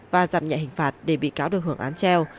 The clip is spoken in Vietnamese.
và dặn nhạy hình phạt để bị cáo được hưởng án treo